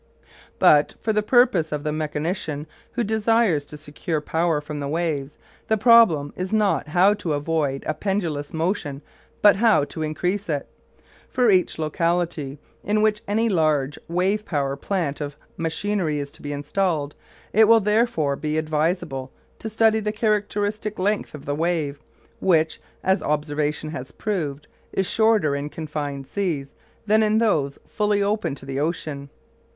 But, for the purposes of the mechanician who desires to secure power from the waves, the problem is not how to avoid a pendulous motion but how to increase it. For each locality in which any large wave power plant of machinery is to be installed, it will therefore be advisable to study the characteristic length of the wave, which, as observation has proved, is shorter in confined seas than in those fully open to the ocean.